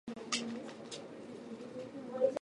山梨県身延町